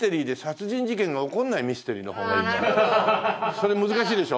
それ難しいでしょ？